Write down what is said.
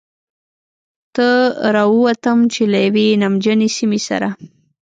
ته را ووتم، چې له یوې نمجنې سیمې سره.